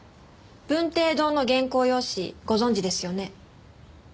文綴堂の原稿用紙ご存じですよね？